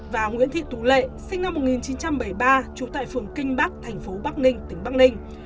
và nguyễn thị tú lệ sinh năm một nghìn chín trăm bảy mươi ba trú tại phường kinh bắc thành phố bắc ninh tỉnh bắc ninh